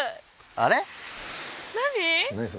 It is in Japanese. あれ。